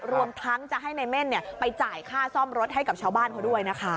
รวมทั้งจะให้ในเม่นไปจ่ายค่าซ่อมรถให้กับชาวบ้านเขาด้วยนะคะ